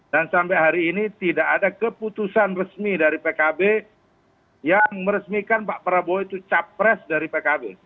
dan sampai hari ini tidak ada keputusan resmi dari pkb yang meresmikan pak prabowo itu capres dari pkb